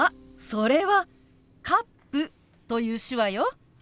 それは「カップ」という手話よ。